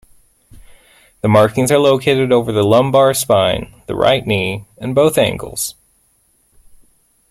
The markings are located over the lumbar spine, the right knee, and both ankles.